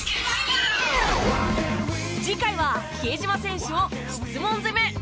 次回は比江島選手を質問攻め。